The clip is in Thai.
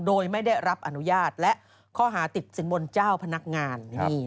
โดยไม่ได้รับอนุญาตและข้อหาติดสินบนเจ้าพนักงาน